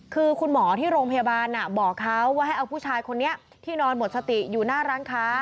คือคุณหมอที่โรงพยาบาลบอกเขาว่าให้เอาผู้ชายคนนี้ที่นอนหมดสติอยู่หน้าร้านค้า